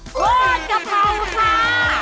ทอดกะเพราค่ะ